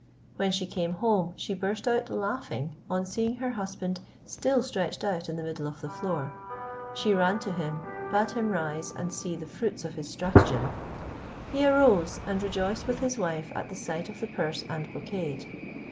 When she came home she burst out a laughing on seeing her husband still stretched out in the middle of the floor; she ran to him, bade him rise and see the fruits of his stratagem. He arose, and rejoiced with his wife at the sight of the purse and brocade.